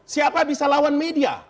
siapa bisa lawan media